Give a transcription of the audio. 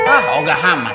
oh gak hamat